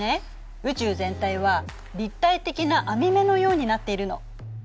宇宙全体は立体的な網目のようになっているの。